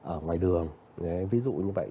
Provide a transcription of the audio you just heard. ở ngoài đường ví dụ như vậy